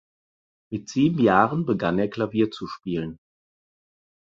Mit sieben Jahren begann er Klavier zu spielen.